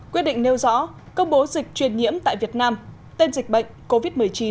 quyết định nêu rõ công bố dịch truyền nhiễm tại việt nam tên dịch bệnh covid một mươi chín